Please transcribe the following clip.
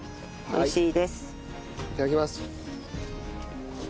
いただきます。